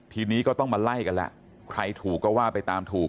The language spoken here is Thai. ทีนี้ก็ต้องมาไล่กันแหละใครถูกก็ว่าไปตามถูก